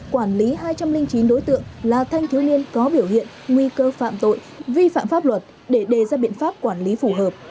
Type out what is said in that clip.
quản lý hai trăm linh chín đối tượng là thanh thiếu niên có biểu hiện nguy cơ phạm tội vi phạm pháp luật để đề ra biện pháp quản lý phù hợp